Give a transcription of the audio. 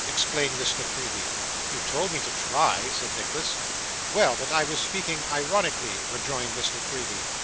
exclaimed Miss La Creevy. 'You told me to try,' said Nicholas. 'Well; but I was speaking ironically,' rejoined Miss La Creevy.